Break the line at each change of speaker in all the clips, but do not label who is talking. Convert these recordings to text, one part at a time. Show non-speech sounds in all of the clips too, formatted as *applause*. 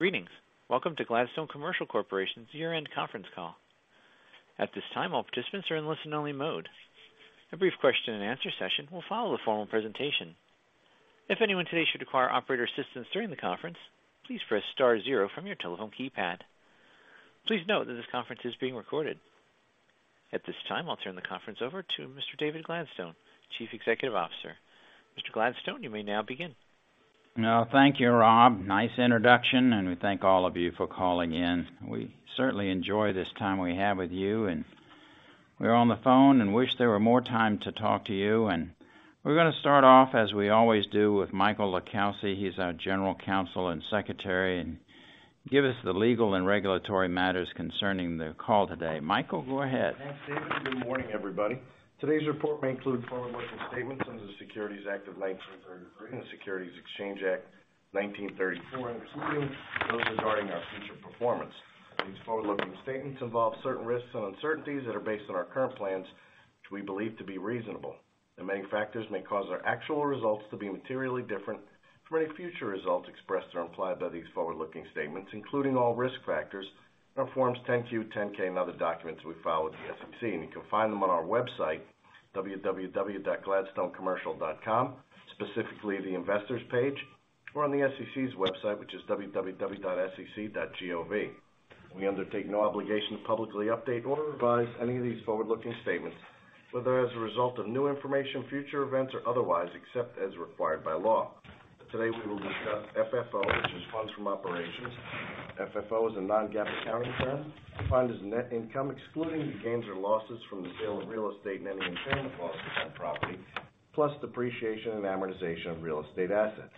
Greetings. Welcome to Gladstone Commercial Corporation's year-end conference call. At this time, all participants are in listen-only mode. A brief question and answer session will follow the formal presentation. If anyone today should require operator assistance during the conference, please press star zero from your telephone keypad. Please note that this conference is being recorded. At this time, I'll turn the conference over to Mr. David Gladstone, Chief Executive Officer. Mr. Gladstone, you may now begin.
No, thank you, Rob. Nice introduction. We thank all of you for calling in. We certainly enjoy this time we have with you. We're on the phone and wish there were more time to talk to you. We're gonna start off, as we always do, with Michael LiCalsi. He's our General Counsel and Secretary, and give us the legal and regulatory matters concerning the call today. Michael, go ahead.
Thanks, David. Good morning, everybody. Today's report may include forward-looking statements under the Securities Act of 1933 and the Securities Exchange Act of 1934, including those regarding our future performance. These forward-looking statements involve certain risks and uncertainties that are based on our current plans, which we believe to be reasonable. Many factors may cause our actual results to be materially different from any future results expressed or implied by these forward-looking statements, including all risk factors in our Forms 10-Q, 10-K and other documents we file with the SEC, and you can find them on our website, www.gladstonecommercial.com, specifically the investors page, or on the SEC's website, which is www.sec.gov. We undertake no obligation to publicly update or revise any of these forward-looking statements, whether as a result of new information, future events, or otherwise, except as required by law. Today, we will discuss FFO, which is funds from operations. FFO is a non-GAAP accounting term defined as net income excluding the gains or losses from the sale of real estate and any impairment losses on property, plus depreciation and amortization of real estate assets.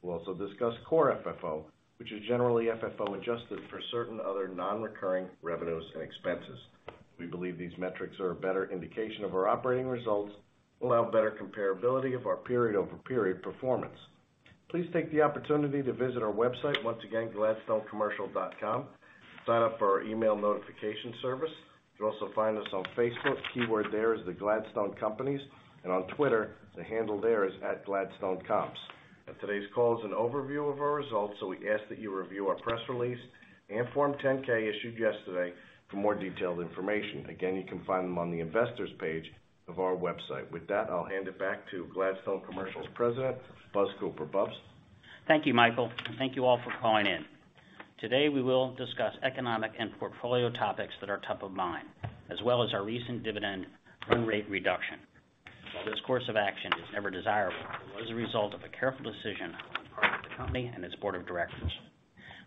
We'll also discuss Core FFO, which is generally FFO adjusted for certain other non-recurring revenues and expenses. We believe these metrics are a better indication of our operating results and allow better comparability of our period-over-period performance. Please take the opportunity to visit our website, once again, www.gladstonecommercial.com, to sign up for our email notification service. You can also find us on Facebook. Keyword there is The Gladstone Companies. On Twitter, the handle there is @GladstoneComps. Today's call is an overview of our results, we ask that you review our press release and Form 10-K issued yesterday for more detailed information. Again, you can find them on the investors page of our website. With that, I'll hand it back to Gladstone Commercial's president, Buzz Cooper. Buzz?
Thank you, Michael, and thank you all for calling in. Today, we will discuss economic and portfolio topics that are top of mind, as well as our recent dividend run rate reduction. While this course of action is never desirable, it was a result of a careful decision on the part of the company and its board of directors.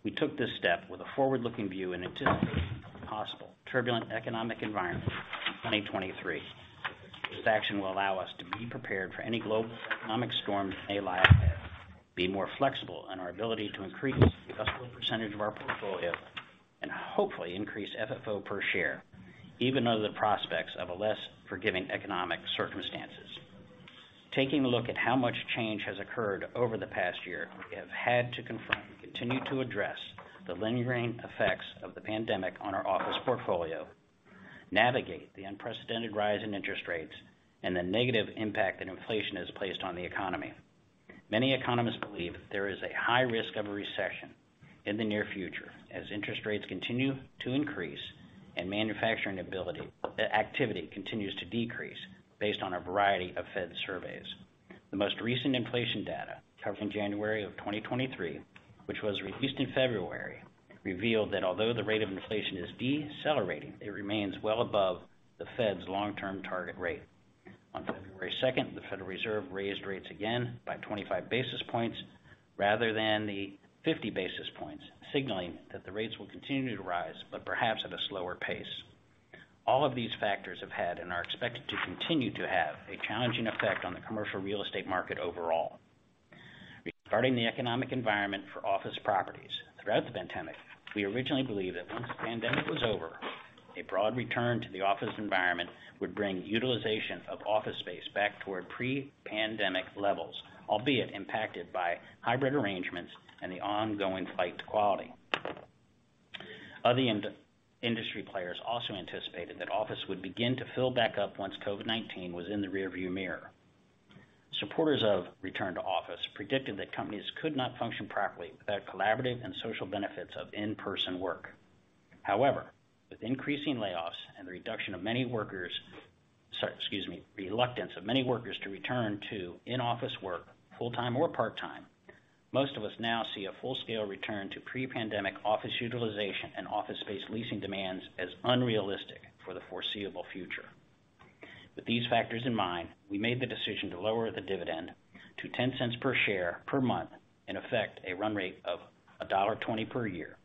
We took this step with a forward-looking view in anticipation of the possible turbulent economic environment in 2023. This action will allow us to be prepared for any global economic storm that may lie ahead, be more flexible in our ability to increase the industrial percentage of our portfolio, and hopefully increase FFO per share even under the prospects of a less forgiving economic circumstances. Taking a look at how much change has occurred over the past year, we have had to confront and continue to address the lingering effects of the pandemic on our office portfolio, navigate the unprecedented rise in interest rates and the negative impact that inflation has placed on the economy. Many economists believe there is a high risk of a recession in the near future as interest rates continue to increase and manufacturing activity continues to decrease based on a variety of Fed surveys. The most recent inflation data covering January of 2023, which was released in February, revealed that although the rate of inflation is decelerating, it remains well above the Fed's long-term target rate. On February second, the Federal Reserve raised rates again by 25 basis points rather than the 50 basis points, signaling that the rates will continue to rise, but perhaps at a slower pace. All of these factors have had, and are expected to continue to have, a challenging effect on the commercial real estate market overall. Regarding the economic environment for office properties throughout the pandemic, we originally believed that once the pandemic was over, a broad return to the office environment would bring utilization of office space back toward pre-pandemic levels, albeit impacted by hybrid arrangements and the ongoing flight to quality. Other industry players also anticipated that office would begin to fill back up once COVID-19 was in the rear view mirror. Supporters of return to office predicted that companies could not function properly without collaborative and social benefits of in-person work. With increasing layoffs and the reluctance of many workers to return to in-office work full-time or part-time, most of us now see a full scale return to pre-pandemic office utilization and office space leasing demands as unrealistic for the foreseeable future. With these factors in mind, we made the decision to lower the dividend to $0.10 per share per month, in effect, a run rate of $1.20 per year.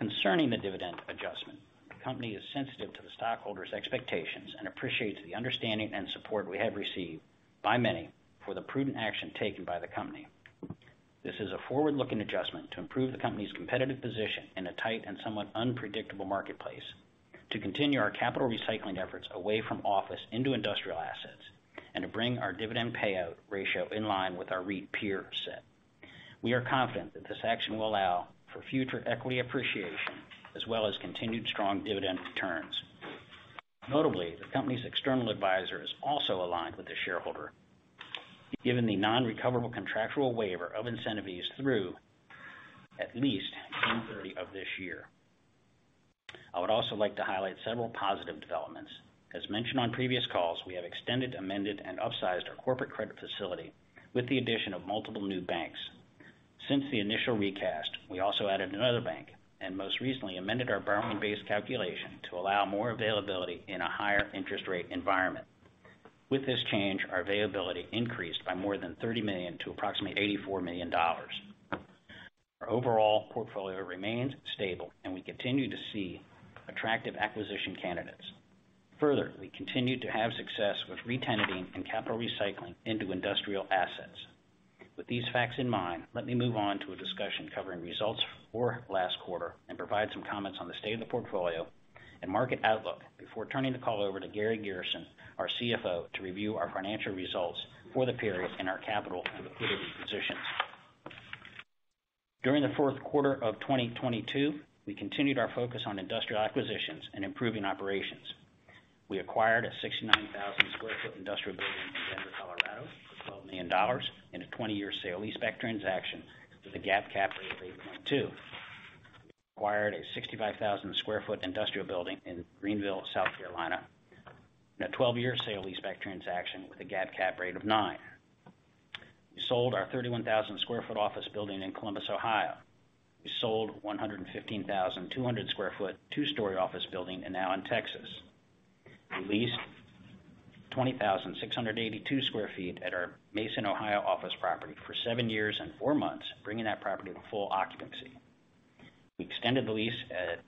Concerning the dividend adjustment, the company is sensitive to the stockholders' expectations and appreciates the understanding and support we have received by many for the prudent action taken by the company. This is a forward-looking adjustment to improve the company's competitive position in a tight and somewhat unpredictable marketplace to continue our capital recycling efforts away from office into industrial assets and to bring our dividend payout ratio in line with our REIT peer set. We are confident that this action will allow for future equity appreciation as well as continued strong dividend returns. Notably, the company's external advisor is also aligned with the shareholder. Given the non-recoverable contractual waiver of incentives through at least June 30 of this year, I would also like to highlight several positive developments. As mentioned on previous calls, we have extended, amended, and upsized our corporate credit facility with the addition of multiple new banks. Since the initial recast, we also added another bank and most recently amended our borrowing base calculation to allow more availability in a higher interest rate environment. With this change, our availability increased by more than $30 million to approximately $84 million. Our overall portfolio remains stable and we continue to see attractive acquisition candidates. We continue to have success with re-tenanting and capital recycling into industrial assets. With these facts in mind, let me move on to a discussion covering results for last quarter and provide some comments on the state of the portfolio and market outlook before turning the call over to Gary Gerson, our CFO, to review our financial results for the period and our capital and liquidity positions. During the Q4 of 2022, we continued our focus on industrial acquisitions and improving operations. We acquired a 69,000 sq ft industrial building in Denver, Colorado for $12 million in a 20-year sale-leaseback transaction with a GAAP cap rate of 8.2. We acquired a 65,000 sq ft industrial building in Greenville, South Carolina in a 12-year sale-leaseback transaction with a GAAP cap rate of 9%. We sold our 31,000 sq ft office building in Columbus, Ohio. We sold 115,200 sq ft, 2-story office building in Newnan, Texas. We leased 20,682 sq ft at our Mason, Ohio office property for seven years and four months, bringing that property to full occupancy. We extended the lease at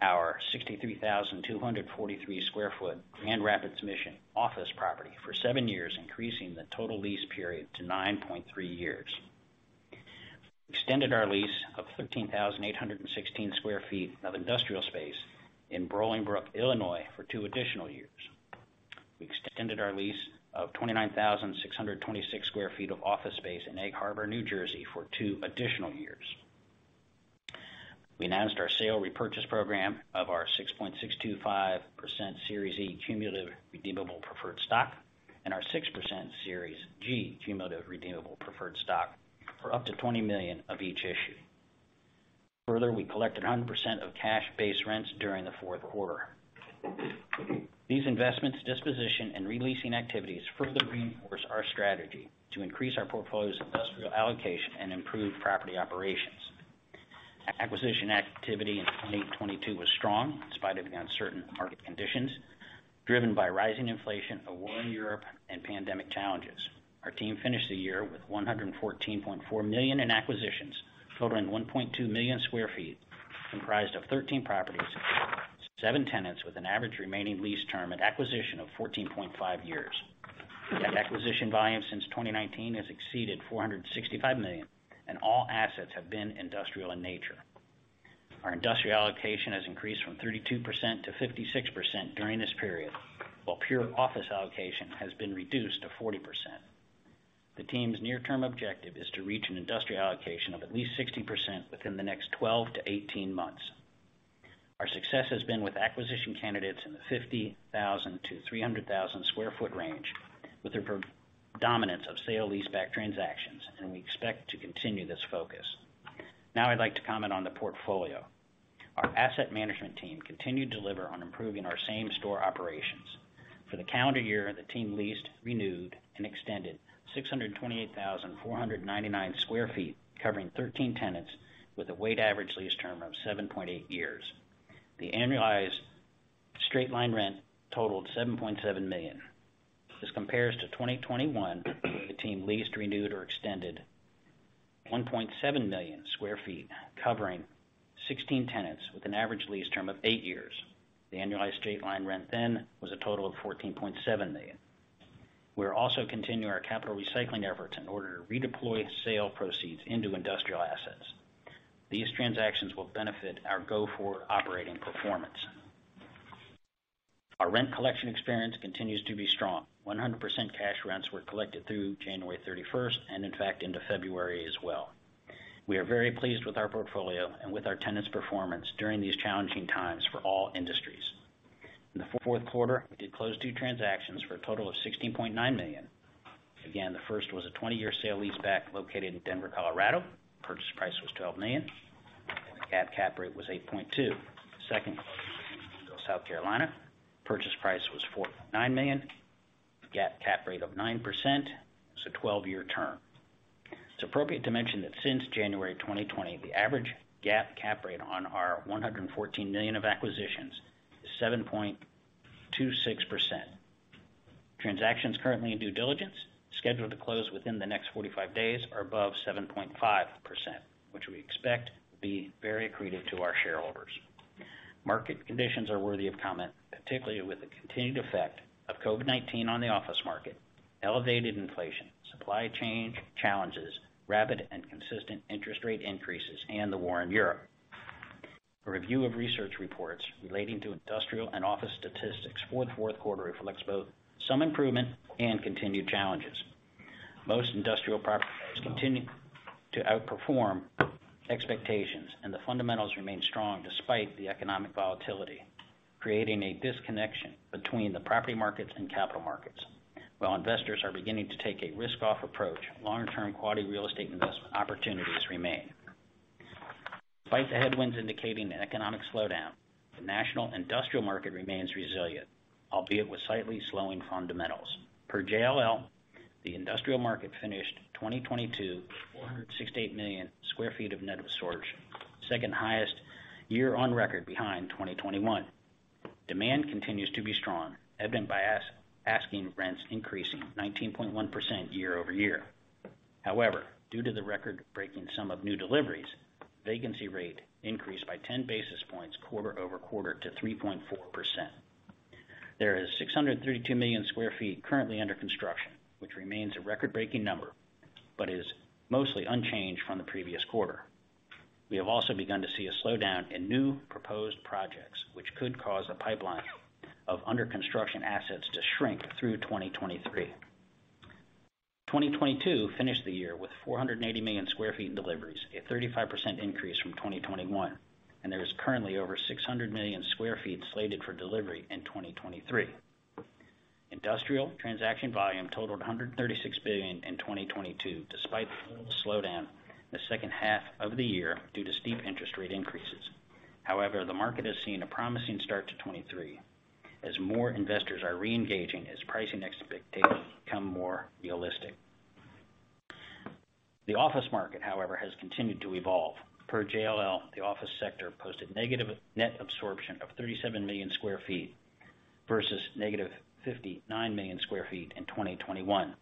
our 63,243 sq ft Grand Rapids, Michigan office property for seven years, increasing the total lease period to 9.3 years. We extended our lease of 13,816 sq ft of industrial space in Bolingbrook, Illinois, for two additional years. We extended our lease of 29,626 sq ft of office space in Egg Harbor, New Jersey, for two additional years. We announced our sale repurchase program of our 6.625% Series E Cumulative Redeemable Preferred Stock and our 6.00% Series G Cumulative Redeemable Preferred Stock for up to $20 million of each issue. We collected 100% of cash base rents during the Q4. These investments, disposition, and re-leasing activities further reinforce our strategy to increase our portfolio's industrial allocation and improve property operations. Acquisition activity in 2022 was strong, in spite of the uncertain market conditions driven by rising inflation, a war in Europe, and pandemic challenges. Our team finished the year with $114.4 million in acquisitions totaling 1.2 million sq ft, comprised of 13 properties, seven tenants with an average remaining lease term at acquisition of 14.5 years. That acquisition volume since 2019 has exceeded $465 million, all assets have been industrial in nature. Our industrial allocation has increased from 32% to 56% during this period, while pure office allocation has been reduced to 40%. The team's near-term objective is to reach an industrial allocation of at least 60% within the next 12-18 months. Our success has been with acquisition candidates in the 50,000-300,000 sq ft range with the predominance of sale-leaseback transactions, we expect to continue this focus. Now I'd like to comment on the portfolio. Our asset management team continued to deliver on improving our same store operations. For the calendar year, the team leased, renewed, and extended 628,499 sq ft, covering 13 tenants with a weighted average lease term of 7.8 years. The annualized straight-line rent totaled $7.7 million. This compares to 2021, the team leased, renewed, or extended 1.7 million sq ft, covering 16 tenants with an average lease term of eight years. The annualized straight-line rent then was a total of $14.7 million. We are also continuing our capital recycling efforts in order to redeploy sale proceeds into industrial assets. These transactions will benefit our go-forward operating performance. Our rent collection experience continues to be strong. 100% cash rents were collected through January 31st, and in fact, into February as well. We are very pleased with our portfolio and with our tenants' performance during these challenging times for all industries. In the Q4, we did close two transactions for a total of $16.9 million. Again, the first was a 20-year sale-leaseback located in Denver, Colorado. Purchase price was $12 million. GAAP cap rate was 8.2%. Second was in Greenville, South Carolina. Purchase price was $4.9 million. GAAP cap rate of 9%. It's a 12-year term. It's appropriate to mention that since January 2020, the average GAAP cap rate on our $114 million of acquisitions is 7.26%. Transactions currently in due diligence scheduled to close within the next 45 days are above 7.5%, which we expect will be very accretive to our shareholders. Market conditions are worthy of comment, particularly with the continued effect of COVID-19 on the office market, elevated inflation, supply chain challenges, rapid and consistent interest rate increases, and the war in Europe. A review of research reports relating to industrial and office statistics for the Q4 reflects both some improvement and continued challenges. Most industrial property values continue to outperform expectations and the fundamentals remain strong despite the economic volatility, creating a disconnection between the property markets and capital markets. While investors are beginning to take a risk-off approach, long-term quality real estate investment opportunities remain. Despite the headwinds indicating an economic slowdown, the national industrial market remains resilient, albeit with slightly slowing fundamentals. Per JLL, the industrial market finished 2022 with 468 million sq ft of net absorption, second highest year on record behind 2021. Demand continues to be strong, evident by asking rents increasing 19.1% year-over-year. Due to the record-breaking sum of new deliveries, vacancy rate increased by 10 basis points quarter-over-quarter to 3.4%. There is 632 million sq ft currently under construction, which remains a record-breaking number, but is mostly unchanged from the previous quarter. We have also begun to see a slowdown in new proposed projects, which could cause a pipeline of under construction assets to shrink through 2023. 2022 finished the year with 480 million sq ft in deliveries, a 35% increase from 2021, and there is currently over 600 million sq ft slated for delivery in 2023. Industrial transaction volume totaled $136 billion in 2022 despite the slowdown the H2 of the year due to steep interest rate increases. The market has seen a promising start to 2023 as more investors are re-engaging as pricing expectations become more realistic. The office market, however, has continued to evolve. Per JLL, the office sector posted negative net absorption of 37 million sq ft versus negative 59 million sq ft in 2021.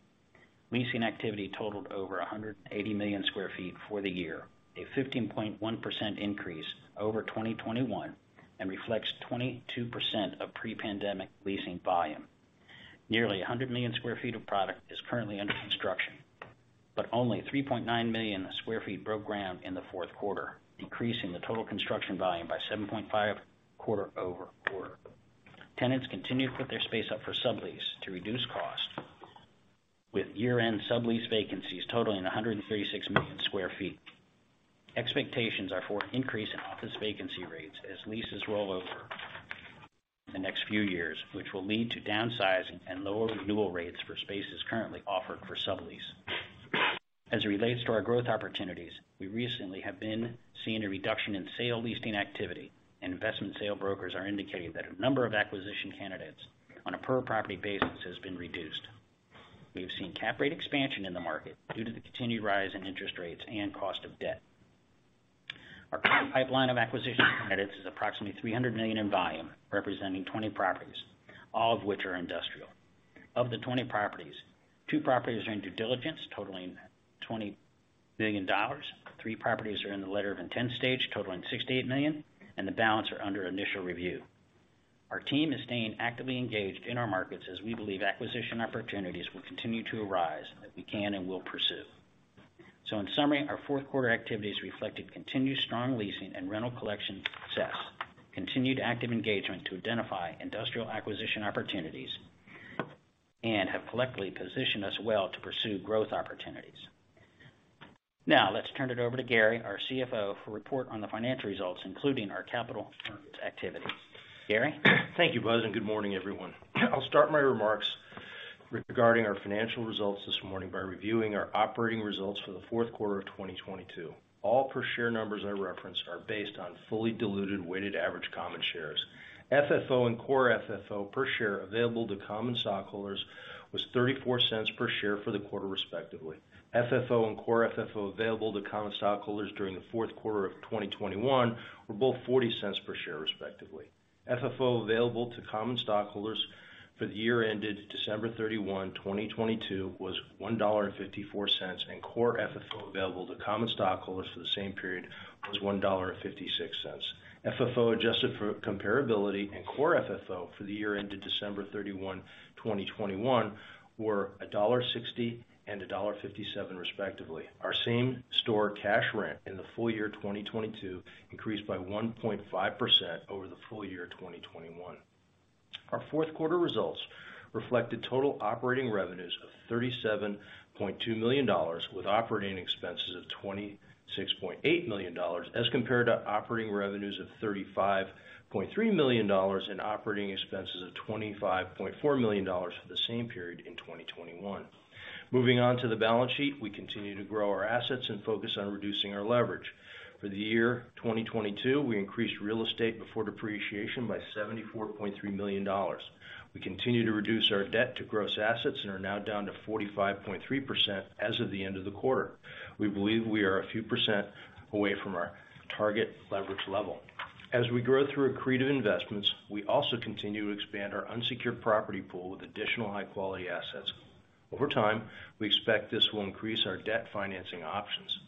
Leasing activity totaled over 180 million sq ft for the year, a 15.1% increase over 2021, and reflects 22% of pre-pandemic leasing volume. Nearly 100 million sq ft of product is currently under construction, but only 3.9 million sq ft broke ground in the Q4, increasing the total construction volume by 7.5% quarter-over-quarter. Tenants continue to put their space up for sublease to reduce cost, with year-end sublease vacancies totaling 136 million sq ft. Expectations are for an increase in office vacancy rates as leases roll over the next few years, which will lead to downsizing and lower renewal rates for spaces currently offered for sublease. As it relates to our growth opportunities, we recently have been seeing a reduction in sale-leaseback activity. Investment sale brokers are indicating that a number of acquisition candidates on a per property basis has been reduced. We have seen cap rate expansion in the market due to the continued rise in interest rates and cost of debt. Our current pipeline of acquisition credits is approximately $300 million in volume, representing 20 properties, all of which are industrial. Of the 20 properties, two properties are in due diligence, totaling $20 billion. Three properties are in the letter of intent stage, totaling $68 million, and the balance are under initial review. Our team is staying actively engaged in our markets as we believe acquisition opportunities will continue to arise, and we can and will pursue. In summary, our Q4 activities reflected continued strong leasing and rental collection success, continued active engagement to identify industrial acquisition opportunities, and have collectively positioned us well to pursue growth opportunities. Now let's turn it over to Gary, our CFO, for a report on the financial results, including our capital activity. Gary?
Thank you, Buzz Cooper, and good morning, everyone. I'll start my remarks regarding our financial results this morning by reviewing our operating results for the Q4 of 2022. All per share numbers I reference are based on fully diluted weighted average common shares. FFO and Core FFO per share available to common stockholders was $0.34 per share for the quarter, respectively. FFO and Core FFO available to common stockholders during the Q4 of 2021 were both $0.40 per share, respectively. FFO available to common stockholders for the year ended December 31, 2022 was $1.54, and Core FFO available to common stockholders for the same period was $1.56. FFO adjusted for comparability and Core FFO for the year ended December 31, 2021 were $1.60 and $1.57, respectively. Our same store cash rent in the full year 2022 increased by 1.5% over the full year 2021. Our Q4 results reflected total operating revenues of $37.2 million with operating expenses of $26.8 million as compared to operating revenues of $35.3 million and operating expenses of $25.4 million for the same period in 2021. Moving on to the balance sheet. We continue to grow our assets and focus on reducing our leverage. For the year 2022, we increased real estate before depreciation by $74.3 million. We continue to reduce our debt to gross assets and are now down to 45.3% as of the end of the quarter. We believe we are a few percent away from our target leverage level. As we grow through accretive investments, we also continue to expand our unsecured property pool with additional high quality assets. Over time, we expect this will increase our debt financing options.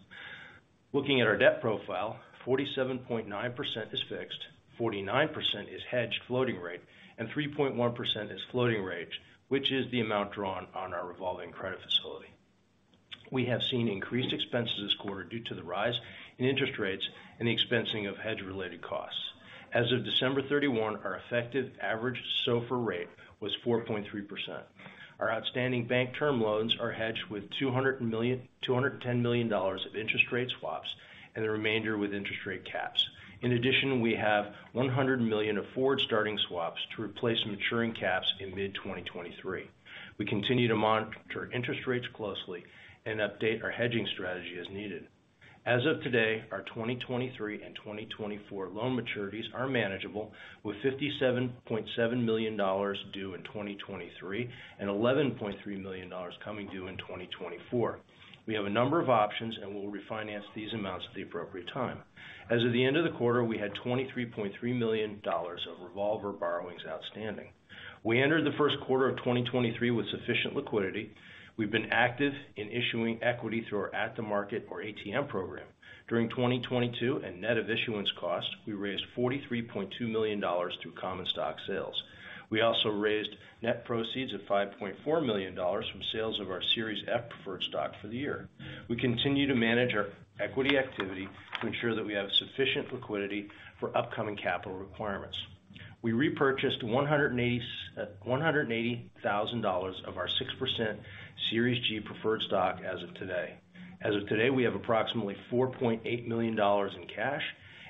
Looking at our debt profile, 47.9% is fixed, 49% is hedged floating rate, and 3.1% is floating rate, which is the amount drawn on our revolving credit facility. We have seen increased expenses this quarter due to the rise in interest rates and the expensing of hedge-related costs. As of December 31, our effective average SOFR rate was 4.3%. Our outstanding bank term loans are hedged with $210 million of interest rate swaps and the remainder with interest rate caps. In addition, we have $100 million of forward starting swaps to replace maturing caps in mid-2023. We continue to monitor interest rates closely and update our hedging strategy as needed. As of today, our 2023 and 2024 loan maturities are manageable with $57.7 million due in 2023 and $11.3 million coming due in 2024. We have a number of options, and we'll refinance these amounts at the appropriate time. As of the end of the quarter, we had $23.3 million of revolver borrowings outstanding. We entered the Q1 of 2023 with sufficient liquidity. We've been active in issuing equity through our at-the-market or ATM program. During 2022 and net of issuance costs, we raised $43.2 million through common stock sales. We also raised net proceeds of $5.4 million from sales of our Series F Preferred Stock for the year. We continue to manage our equity activity to ensure that we have sufficient liquidity for upcoming capital requirements. We repurchased $180,000 of our 6% Series G Preferred Stock as of today. As of today, we have approximately $4.8 million in cash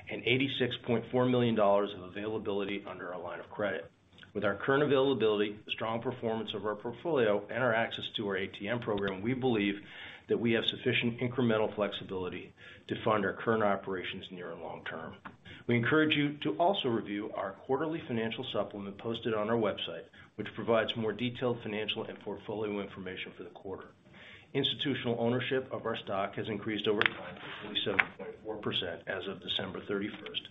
and $86.4 million of availability under our line of credit. With our current availability, strong performance of our portfolio, and our access to our ATM program, we believe that we have sufficient incremental flexibility to fund our current operations near and long term. We encourage you to also review our quarterly financial supplement posted on our website, which provides more detailed financial and portfolio information for the quarter. Institutional ownership of our stock has increased over time to 77.4% as of December 31st,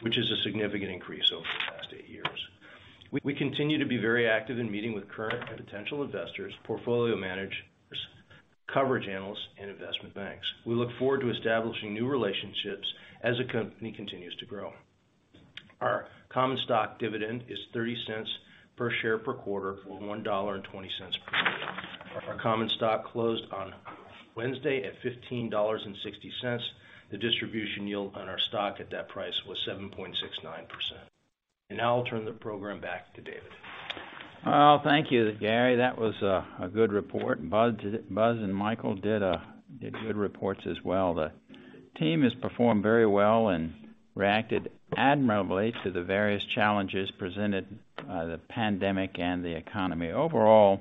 which is a significant increase over the past eight years. We continue to be very active in meeting with current and potential investors, portfolio managers, coverage analysts, and investment banks. We look forward to establishing new relationships as the company continues to grow. Our common stock dividend is $0.30 per share per quarter, or $1.20 per year. Our common stock closed on Wednesday at $15.60. The distribution yield on our stock at that price was 7.69%. Now I'll turn the program back to David.
Thank you, Gary. That was a good report. Bud and Michael did good reports as well. The team has performed very well and reacted admirably to the various challenges presented by the pandemic and the economy. Overall,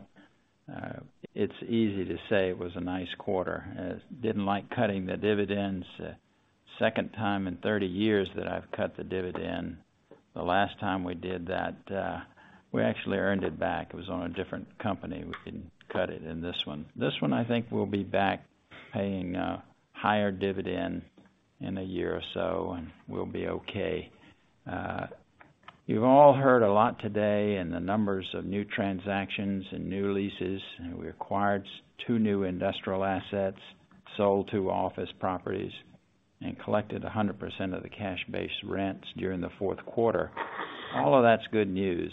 it's easy to say it was a nice quarter. Didn't like cutting the dividends. Second time in 30 years that I've cut the dividend. The last time we did that, we actually earned it back. It was on a different company. We didn't cut it in this one. This one I think we'll be back paying a higher dividend in a year or so, and we'll be okay. You've all heard a lot today in the numbers of new transactions and new leases. We acquired two new industrial assets, sold two office properties, and collected 100% of the cash base rents during the Q4. All of that's good news.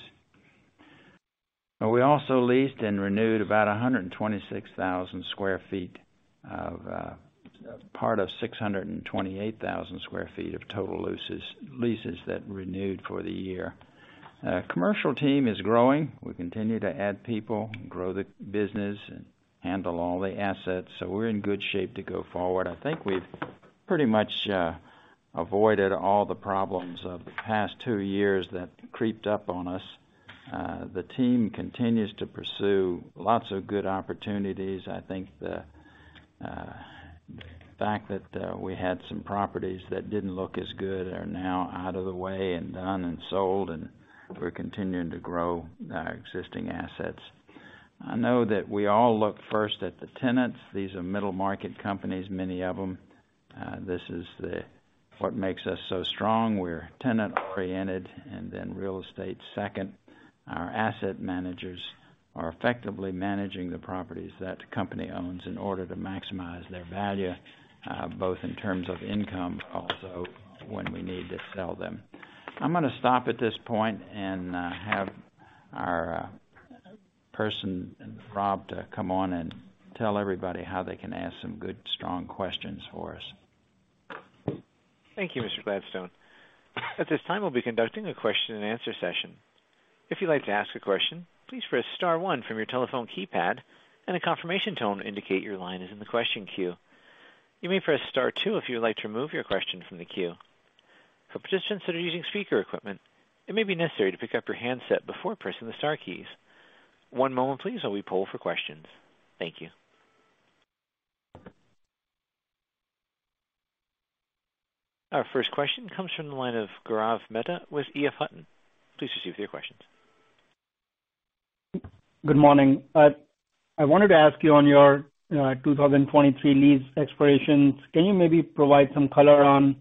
We also leased and renewed about 126,000 sq ft of part of 628,000 sq ft of total leases that renewed for the year. Our commercial team is growing. We continue to add people, grow the business and handle all the assets, so we're in good shape to go forward. I think we've pretty much avoided all the problems of the past two years that creeped up on us. The team continues to pursue lots of good opportunities. I think the fact that we had some properties that didn't look as good are now out of the way and done and sold, and we're continuing to grow our existing assets. I know that we all look first at the tenants. These are middle-market companies, many of them. This is what makes us so strong. We're tenant-oriented, and then real estate second. Our asset managers are effectively managing the properties that the company owns in order to maximize their value, both in terms of income, also when we need to sell them. I'm gonna stop at this point and have our person, Rob, to come on and tell everybody how they can ask some good, strong questions for us.
Thank you, Mr. Gladstone. At this time, we'll be conducting a question-and-answer session. If you'd like to ask a question, please press star one from your telephone keypad, and a confirmation tone will indicate your line is in the question queue. You may press star two if you would like to remove your question from the queue. For participants that are using speaker equipment, it may be necessary to pick up your handset before pressing the star keys. One moment please while we poll for questions. Thank you. Our first question comes from the line of Gaurav Mehta with EF Hutton. Please proceed with your questions.
Good morning. I wanted to ask you on your 2023 lease expirations, can you maybe provide some color on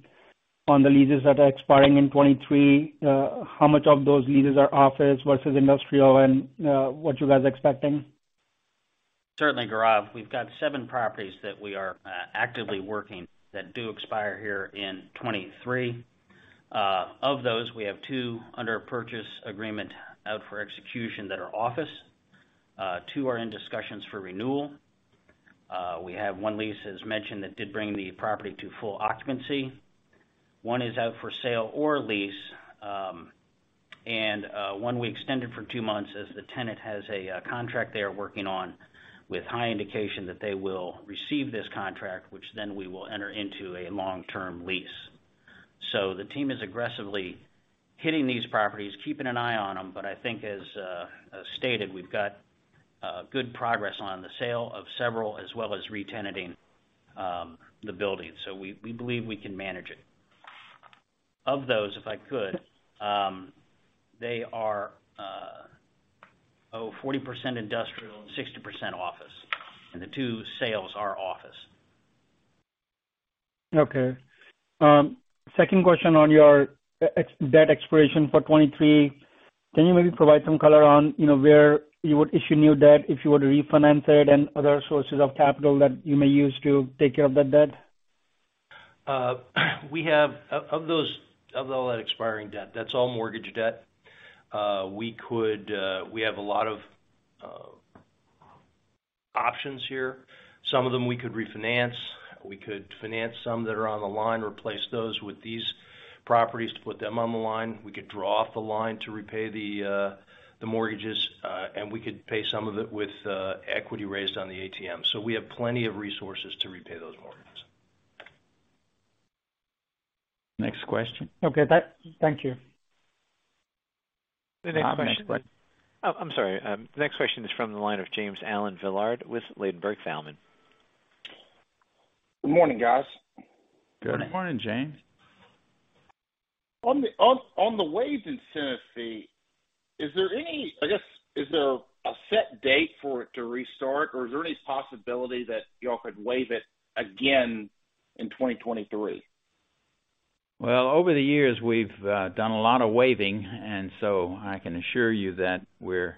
the leases that are expiring in 23? How much of those leases are office versus industrial and what you guys are expecting?
Certainly, Gaurav. We've got seven properties that we are actively working that do expire here in 2023. Of those, we have two under a purchase agreement out for execution that are office. two are in discussions for renewal. We have one lease, as mentioned, that did bring the property to full occupancy. one is out for sale or lease. one we extended for two months as the tenant has a contract they are working on with high indication that they will receive this contract, which then we will enter into a long-term lease. The team is aggressively hitting these properties, keeping an eye on them. I think as stated, we've got good progress on the sale of several as well as re-tenanting the building. We believe we can manage it. Of those, if I could, they are 40% industrial and 60% office, and the two sales are office.
Okay. second question on your ex-debt expiration for 2023. Can you maybe provide some color on, you know, where you would issue new debt if you were to refinance it and other sources of capital that you may use to take care of that debt?
We have of all that expiring debt, that's all mortgage debt. We could. We have a lot of options here. Some of them we could refinance. We could finance some that are on the line, replace those with these properties to put them on the line. We could draw off the line to repay the mortgages, and we could pay some of it with equity raised on the ATM. We have plenty of resources to repay those mortgages.
Next question.
Okay. thank you.
*crosstalk* The next question-
Next question.
Oh, I'm sorry. The next question is from the line of James Allen Villard with Ladenburg Thalmann.
Good morning, guys.
Good morning.
Good morning, James.
On the waived incentive fee, is there a set date for it to restart, or is there any possibility that y'all could waive it again in 2023?
Well, over the years, we've done a lot of waiving. I can assure you that we're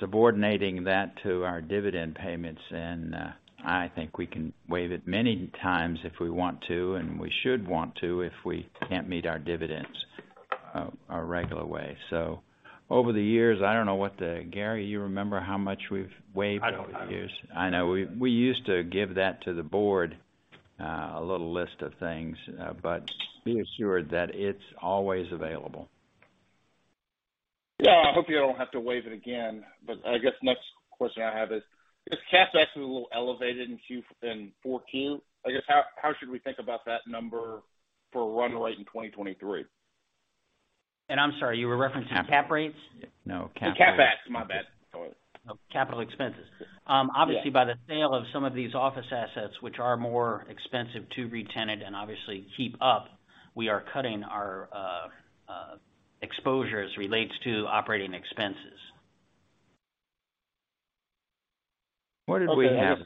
subordinating that to our dividend payments. I think we can waive it many times if we want to, and we should want to, if we can't meet our dividends, our regular way. Over the years, I don't know what the... Gary, you remember how much we've waived over the years?
I don't.
I know. We used to give that to the board, a little list of things. Be assured that it's always available.
Yeah. I hope you don't have to waive it again. I guess next question I have is CapEx a little elevated in 14? I guess, how should we think about that number for run rate in 2023?
I'm sorry, you were referencing cap rates?
No.
The CapEx. My bad.
Oh, capital expenses.
Yeah.
Obviously, by the sale of some of these office assets, which are more expensive to re-tenant and obviously keep up, we are cutting our exposures relates to operating expenses.
What did we have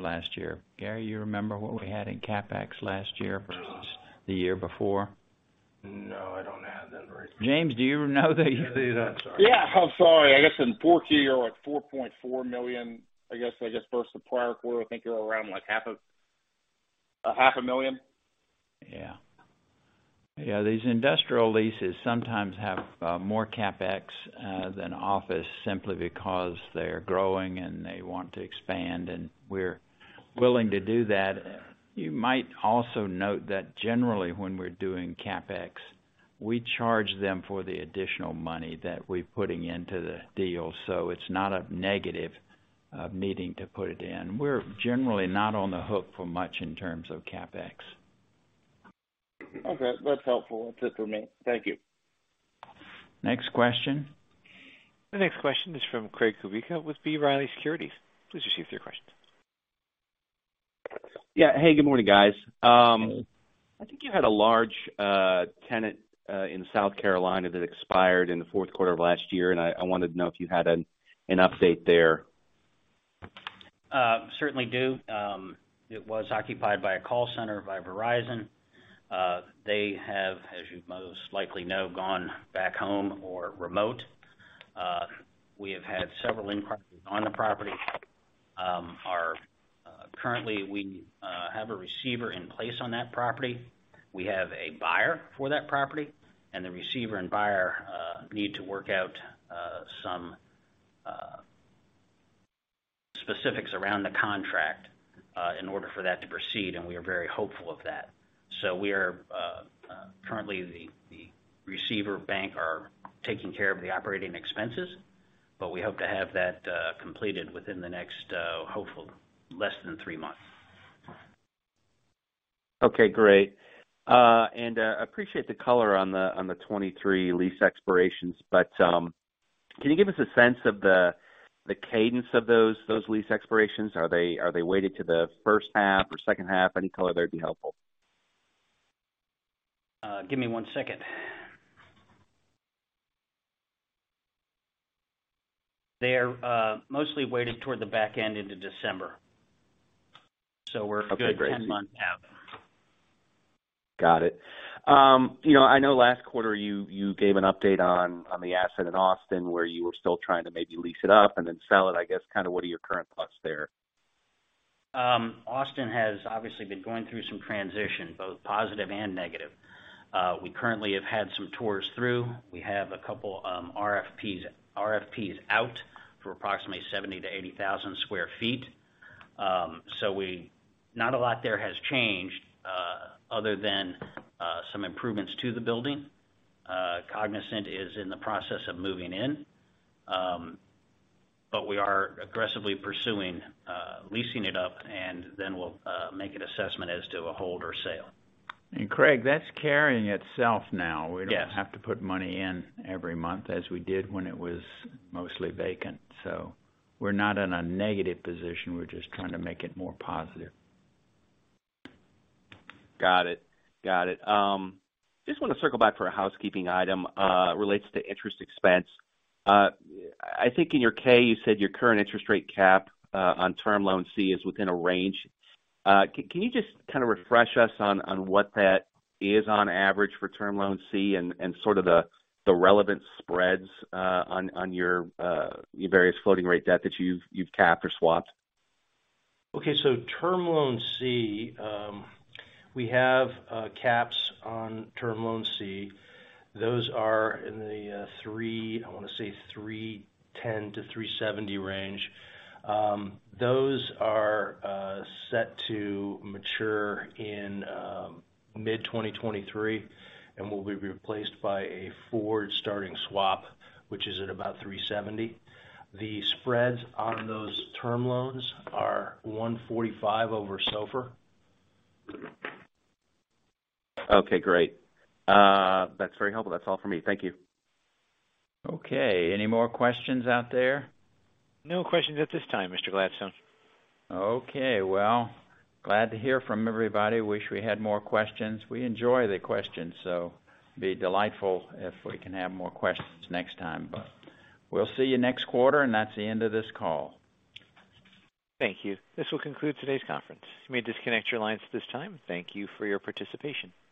last year? Gary, you remember what we had in CapEx last year versus the year before?
No, I don't have that right here.
James, do you know the.
Sorry. Yeah. I'm sorry. I guess in 14, you're at $4.4 million. I guess versus the prior quarter, I think you're around, like, half a million.
Yeah. Yeah, these industrial leases sometimes have more CapEx than office simply because they're growing, and they want to expand, and we're willing to do that. You might also note that generally, when we're doing CapEx, we charge them for the additional money that we're putting into the deal. It's not a negative of needing to put it in. We're generally not on the hook for much in terms of CapEx.
Okay. That's helpful to me. Thank you.
Next question.
The next question is from Craig Kucera with B. Riley Securities. Please proceed with your questions.
Yeah. Hey, good morning, guys. I think you had a large tenant in South Carolina that expired in the Q4 of last year, and I wanted to know if you had an update there.
Certainly do. It was occupied by a call center by Verizon. They have, as you most likely know, gone back home or remote. We have had several inquiries on the property. Currently, we have a receiver in place on that property. We have a buyer for that property, and the receiver and buyer need to work out some specifics around the contract in order for that to proceed, and we are very hopeful of that. Currently, the receiver bank are taking care of the operating expenses, but we hope to have that completed within the next, hopefully less than three months.
Okay, great. Appreciate the color on the 2023 lease expirations. Can you give us a sense of the cadence of those lease expirations? Are they weighted to the H1 or H2? Any color there would be helpful.
Give me one second. They are mostly weighted toward the back end into December.
Okay, great....
a good 10 months out.
Got it. you know, I know last quarter, you gave an update on the asset in Austin, where you were still trying to maybe lease it up and then sell it. I guess, kind of what are your current thoughts there?
Austin has obviously been going through some transition, both positive and negative. We currently have had some tours through. We have a couple, RFP out for approximately 70,000-80,000 sq ft. Not a lot there has changed, other than some improvements to the building. Cognizant is in the process of moving in. We are aggressively pursuing leasing it up, and then we'll make an assessment as to a hold or sale.
Craig, that's carrying itself now.
Yes.
We don't have to put money in every month as we did when it was mostly vacant. We're not in a negative position. We're just trying to make it more positive.
Got it. Got it. Just wanna circle back for a housekeeping item, relates to interest expense. I think in your K, you said your current interest rate cap on Term Loan C is within a range. Can you just kind of refresh us on what that is on average for Term Loan C and sort of the relevant spreads on your various floating rate debt that you've capped or swapped?
Okay. Term Loan C, we have caps on Term Loan C. Those are in the 3.10%-3.70% range. Those are set to mature in mid-2023 and will be replaced by a forward starting swap, which is at about 3.70%. The spreads on those Term Loans are 145 over SOFR.
Great. That's very helpful. That's all for me. Thank you.
Okay. Any more questions out there?
No questions at this time, Mr. Gladstone.
Okay, well, glad to hear from everybody. Wish we had more questions. We enjoy the questions, so be delightful if we can have more questions next time. We'll see you next quarter, and that's the end of this call.
Thank you. This will conclude today's conference. You may disconnect your lines at this time. Thank you for your participation.